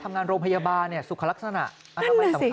เจ้าของห้องเช่าโพสต์คลิปนี้